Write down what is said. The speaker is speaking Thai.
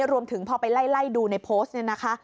รวมถึงพอไปไล่ดูในโพสต์เนี่ยนะคะ